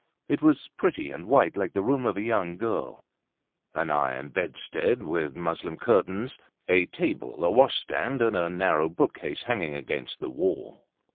It was pretty and white like the room of a young girl; an iron bedstead with muslin curtains, a table, a washstand, and a narrow bookcase hanging against the wall.